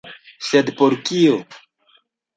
Sed por kio?